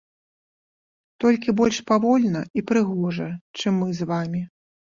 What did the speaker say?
Толькі больш павольна і прыгожа, чым мы з вамі.